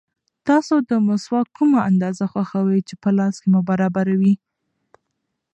تاسو د مسواک کومه اندازه خوښوئ چې په لاس کې مو برابر وي؟